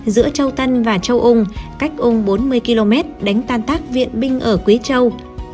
giữa châu tân và châu úng cách úng bốn mươi km đánh tan tác viện binh ở quý châu